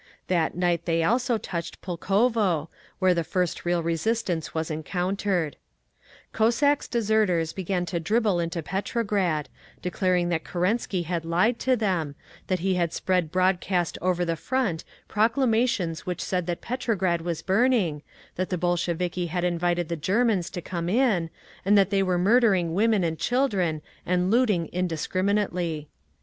That night they also touched Pulkovo, where the first real resistance was encountered…. Cossacks deserters began to dribble into Petrograd, declaring that Kerensky had lied to them, that he had spread broadcast over the front proclamations which said that Petrograd was burning, that the Bolsheviki had invited the Germans to come in, and that they were murdering women and children and looting indiscriminately….